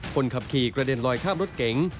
คนขับขี่กระเด็นลอยข้ามรถเก๋ง